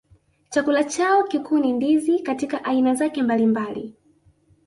Chakula chao kikuu ni ndizi katika aina zake mbalimbali